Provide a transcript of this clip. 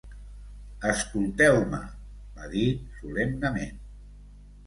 "Escolteu-me", va dir solemnement.